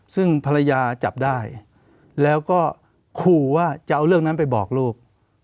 ซึ่งภรรยาจับได้แล้วก็ขู่ว่าจะเอาเรื่องนั้นไปบอกลูก